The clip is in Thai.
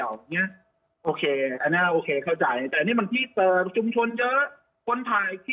แล้วโอเคเข้าใจครับแต่นี่มันที่เดิมชุมชนเยอะ